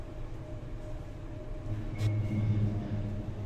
lakini aliondoka mwaka mmoja baadaye.